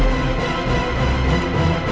ampunilah ya allah